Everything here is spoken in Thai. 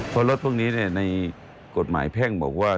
เพราะรถพวกนี้ในกฎหมายแพ่งบอกว่า